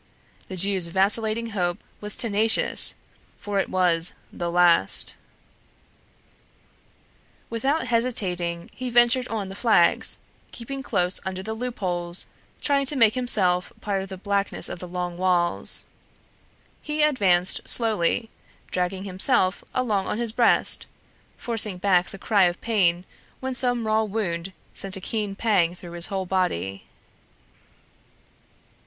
The Jew's vacillating hope was tenacious, for it was the last. Without hesitating, he ventured on the flags, keeping close under the loopholes, trying to make himself part of the blackness of the long walls. He advanced slowly, dragging himself along on his breast, forcing back the cry of pain when some raw wound sent a keen pang through his whole body.